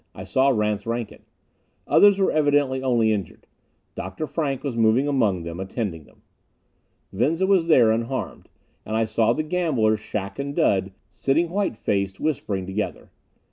I saw Rance Rankin. Others were evidently only injured. Dr. Frank was moving among them, attending them. Venza was there, unharmed. And I saw the gamblers, Shac and Dud, sitting white faced, whispering together.